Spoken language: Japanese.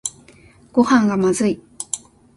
ごはんがまずい